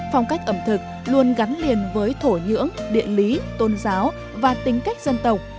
phong cách ẩm thực luôn gắn liền với thổ nhưỡng địa lý tôn giáo và tính cách dân tộc